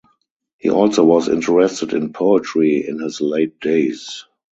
He also was interested in poetry in his late days.